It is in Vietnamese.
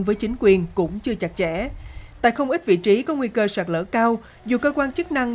với chính quyền cũng chưa chặt chẽ tại không ít vị trí có nguy cơ sạt lở cao dù cơ quan chức năng